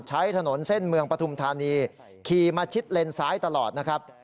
ใช้ถนนเส้นเมืองปฐุมธานีขี่มาชิดเลนซ้ายตลอดนะครับ